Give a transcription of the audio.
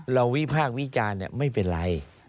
เราวิพากษ์วิจารณ์เนี่ยไม่เป็นไร